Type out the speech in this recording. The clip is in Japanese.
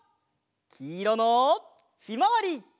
きいろのひまわり！